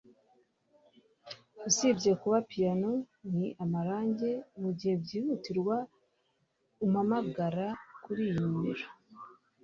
Usibye kuba piyano, ni amarangi. Mugihe byihutirwa, umpamagara kuri iyi nimero.